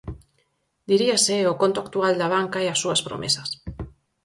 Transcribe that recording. Diríase o conto actual da banca e as súas promesas.